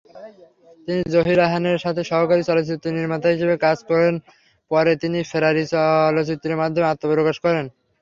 তিনি জহির রায়হানের সাথে সহকারী চলচ্চিত্র নির্মাতা হিসেবে কাজ করেন, পরে তিনি ফেরারি চলচ্চিত্রের মাধ্যমে আত্মপ্রকাশ করেন।